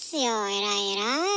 偉い偉い。